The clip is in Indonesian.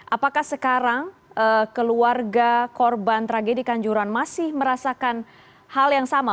apakah sekarang keluarga korban tragedi kanjuruhan masih merasakan hal yang sama